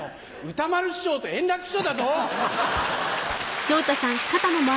歌丸師匠と円楽師匠だぞ！